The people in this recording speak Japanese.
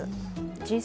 Ｇ７